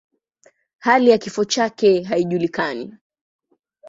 Hali ya kifo chake haijulikani.